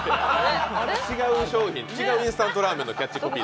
違うインスタントラーメンのキャッチコピー。